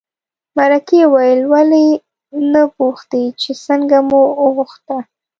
مرکې وویل ولې نه پوښتې چې څنګه مو وغوښته.